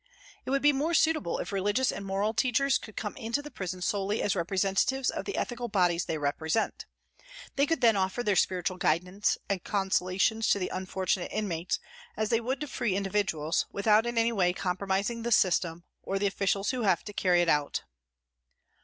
It would be more suitable if religious and moral teachers could come into the prison solely as representatives of the ethical bodies they repre sent. They could then offer their spiritual guidance and consolations to the unfortunate inmates, as they would to free individuals, without in any way compromising the " system " or the officials who have to carry it out.